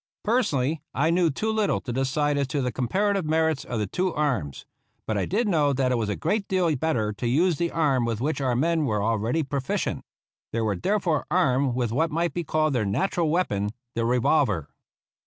Personally, I knew too little to decide as to the comparative merits of the two arms ; but I did know that it was a great deal better to use the arm with which our men were already pro ficient. They were therefore armed with what might be called their natural weapon, the re volver.